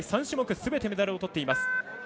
３種目すべてメダルをとっています。